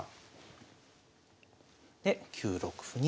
で９六歩に。